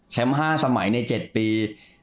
แชมป์๕สมัยใน๗ปี